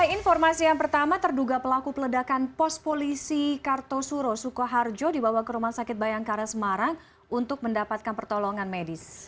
informasi yang pertama terduga pelaku peledakan pos polisi kartosuro sukoharjo dibawa ke rumah sakit bayangkara semarang untuk mendapatkan pertolongan medis